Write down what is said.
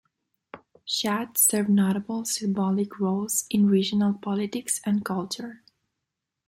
Shad serve notable symbolic roles in regional politics and culture.